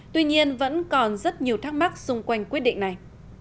tuy nhiên vẫn còn rất nhiều thắc mắc xung quanh quyết định này